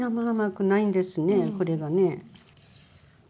これがね。